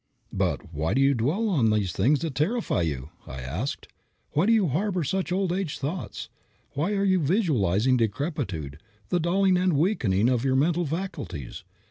"But why do you dwell on those things that terrify you?" I asked. "Why do you harbor such old age thoughts? Why are you visualizing decrepitude, the dulling and weakening of your mental faculties?